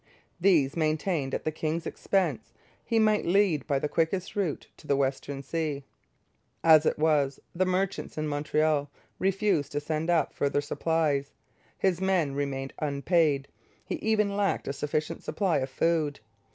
These, maintained at the king's expense, he might lead by the quickest route to the Western Sea. As it was, the merchants in Montreal refused to send up further supplies; his men remained unpaid; he even lacked a sufficient supply of food.